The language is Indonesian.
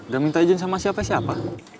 gak minta ijin sama siapa siapa